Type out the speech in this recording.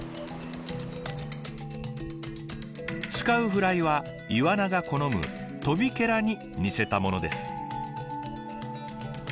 使うフライはイワナが好むトビケラに似せたものです。